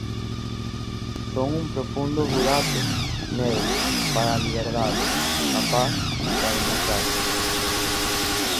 Son un profundo burato negro para a liberdade, a paz e a democracia.